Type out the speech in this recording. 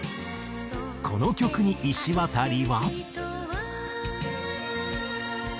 この曲にいしわたりは。